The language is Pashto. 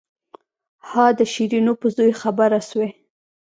ها د شيرينو په زوى خبره سوې.